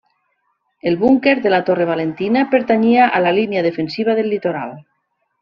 El búnquer de la torre Valentina pertanyia a la línia defensiva del litoral.